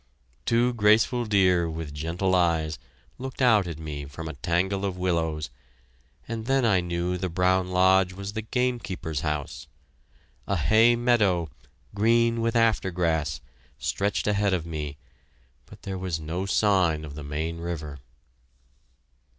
Two graceful deer, with gentle eyes, looked out at me from a tangle of willows, and then I knew the brown lodge was the game keeper's house. A hay meadow, green with after grass, stretched ahead of me, but there was no sign of the Main River.